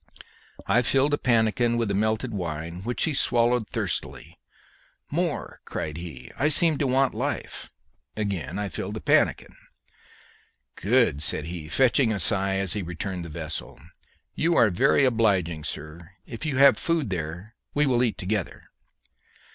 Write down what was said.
I filled a pannikin with the melted wine, which he swallowed thirstily. "More!" cried he. "I seem to want life." Again I filled the pannikin. "Good!" said he, fetching a sigh as he returned the vessel; "you are very obliging, sir. If you have food there, we will eat together."